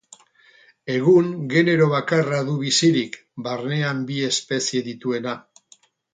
Egun, genero bakarra du bizirik, barnean bi espezie dituena.